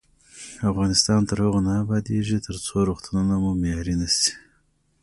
افغانستان تر هغو نه ابادیږي، ترڅو روغتونونه مو معیاري نشي.